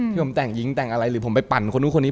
พี่ผมแต่งหญิงแต่งอะไรหรือผมไปปั่นคนนู้นคนนี้